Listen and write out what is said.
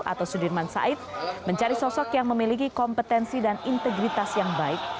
atau sudirman said mencari sosok yang memiliki kompetensi dan integritas yang baik